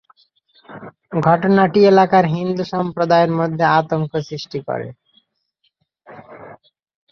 ঘটনাটি এলাকার হিন্দু সম্প্রদায়ের মধ্যে আতঙ্ক সৃষ্টি করে।